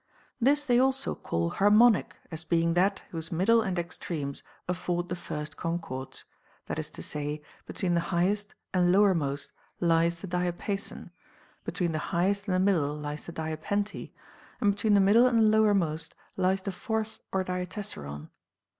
This they also call harmonic, as being that whose middle and extremes afford the first concords ; that is to say, between the highest and lowermost lies the diapason, between the highest and the middle lies the dia pente, and between the middle and lowermost lies the fourth or diatessaron.